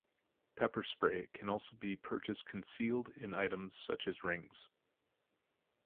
Pepper spray can also be purchased concealed in items such as rings.